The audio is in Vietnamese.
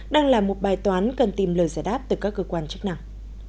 đang là một bài toán cần tìm lời giải đáp từ các cơ quan chức năng